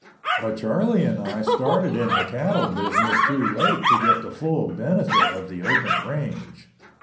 But Charlie and I started in the cattle business too late to get the full benefit of the open range.